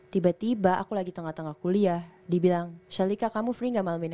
tiba tiba aku lagi tengah tengah kuliah dibilang shalika kamu free gak malam ini